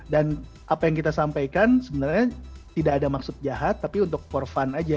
dan apa yang kita sampaikan sebenarnya tidak ada maksud jahat tapi untuk for fun aja gitu